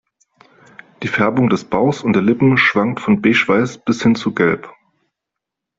Die Färbung des Bauchs und der Lippen schwankt von beige-weiß bis hin zu gelb.